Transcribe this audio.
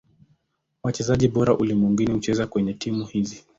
Wachezaji bora ulimwenguni hucheza kwenye timu hizi.